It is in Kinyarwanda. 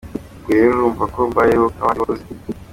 Ubwo rero urumva ko mbayeho nk’abandi bakozi.”